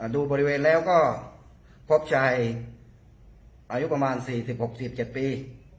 ดูบริเวณแล้วก็พบชายอายุประมาณ๔๐๖๑๗ปี